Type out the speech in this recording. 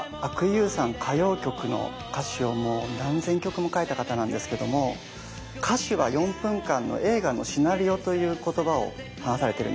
歌謡曲の歌詞をもう何千曲も書いた方なんですけども「歌詞は４分間の映画のシナリオ」という言葉を話されてるんですね。